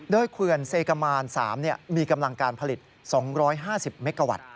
โดยเขื่อนเซกามาน๓มีกำลังการผลิต๒๕๐เมกาวัตต์